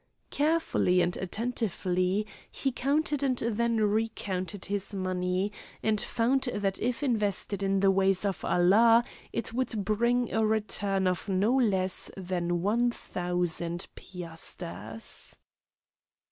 Carefully and attentively he counted and then recounted his money, and found that if invested in the ways of Allah it would bring a return of no less than one thousand piasters.